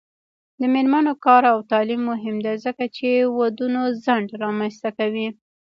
د میرمنو کار او تعلیم مهم دی ځکه چې ودونو ځنډ رامنځته کوي.